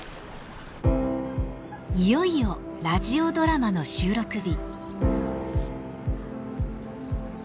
いよいよラジオドラマの収録日。